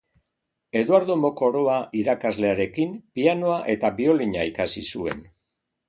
Eduardo Mokoroa irakaslearekin pianoa eta biolina ikasi zuen.